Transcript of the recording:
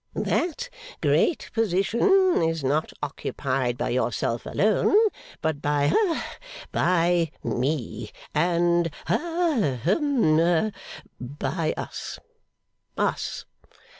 That great position is not occupied by yourself alone, but by ha by me, and ha hum by us. Us.